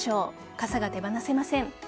傘が手放せません。